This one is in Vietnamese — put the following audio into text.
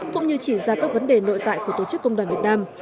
cũng như chỉ ra các vấn đề nội tại của tổ chức công đoàn việt nam